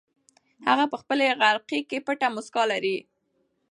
هغه په خپلې غړکۍ کې پټه موسکا لري.